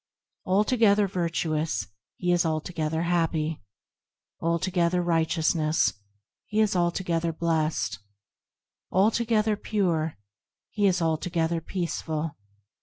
Altogether virtuous, he is altogether happy ; Altogether righteousness, he is altogether blessed ; Altogether pure, he is altogether peaceful.